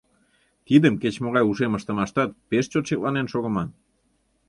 Тидым кеч-могай ушем ыштымаштат пеш чот шекланен шогыман.